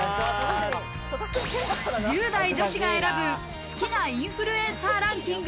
１０代女子が選ぶ、好きなインフルエンサーランキング